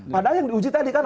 padahal yang diuji tadi kan